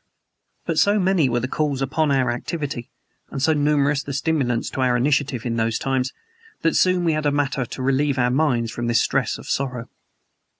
But so many were the calls upon our activity, and so numerous the stimulants to our initiative in those times, that soon we had matter to relieve our minds from this stress of sorrow.